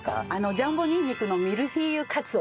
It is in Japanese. ジャンボにんにくのミルフィーユカツを。